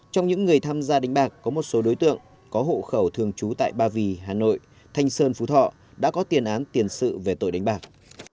trong những người tham gia đánh bạc có một số đối tượng có hộ khẩu thường trú tại ba vì hà nội thanh sơn phú thọ đã có tiền án tiền sự về tội đánh bạc